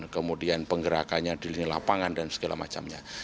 kemudian penggerakannya di lini lapangan dan segala macamnya